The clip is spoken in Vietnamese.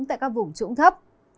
tại các vùng trũng thấp